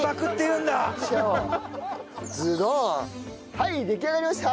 はい出来上がりました！